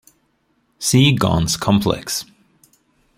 See Ghon's complex.